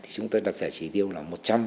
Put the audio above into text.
chúng tôi đặt giải chỉ tiêu là một trăm linh